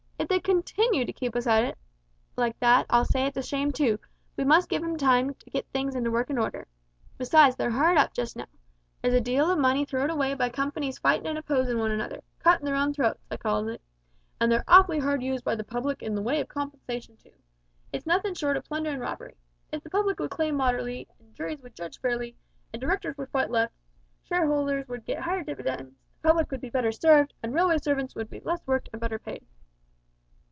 If they continue to keep us at it like that I'll say it's a shame too, but we must give 'em time to git things into workin' order. Besides, they're hard up just now. There's a deal o' money throw'd away by companies fightin' an' opposin' one another cuttin' their own throats, I calls it and they're awful hard used by the public in the way o' compensation too. It's nothin' short o' plunder and robbery. If the public would claim moderately, and juries would judge fairly, an' directors would fight less, shareholders would git higher dividends, the public would be better served, and railway servants would be less worked and better paid."